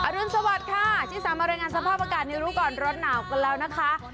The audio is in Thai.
อรุณสวัสดิ์ค่ะชิคกี้พายมารัยงานสภาพอากาศในรูก่อนรถหนาวกันแล้วนะคะ